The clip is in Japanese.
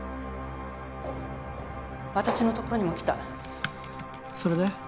私のところにも来たそれで？